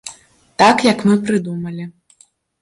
Так, як мы прыдумалі.